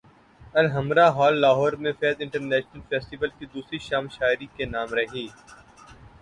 Alhamra hall Lahore میں Faiz international festival کی دوسری شام شاعری کے نام رہی